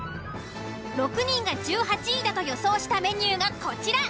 ６人が１８位だと予想したメニューがこちら。